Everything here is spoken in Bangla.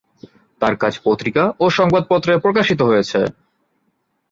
তার কাজ পত্রিকা ও সংবাদপত্রে প্রকাশিত হয়েছে।